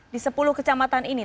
di sepuluh kecamatan ini